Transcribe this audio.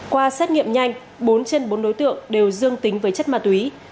qua xét nghiệm nhanh bốn trên bốn đối tượng đều dương tính với chất ma túy